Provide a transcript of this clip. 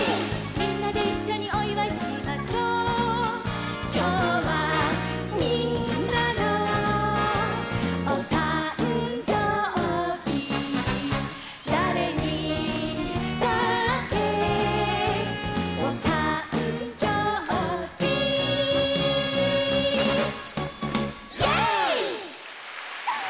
「みんなでいっしょにおいわいしましょう」「きょうはみんなのおたんじょうび」「だれにだっておたんじょうび」「イエーイ」